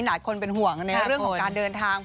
หลายคนเป็นห่วงในเรื่องของการเดินทาง